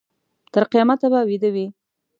تر قیامته به ویده وي.